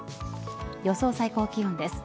予想最高気温です。